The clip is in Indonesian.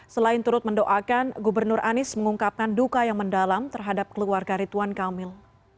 selain turut mendoakan gubernur anies mengungkapkan duka yang mendalam terhadap keluarga rituan kamil